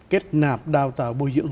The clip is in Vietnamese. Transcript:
kết nạp đào tạo bồi dưỡng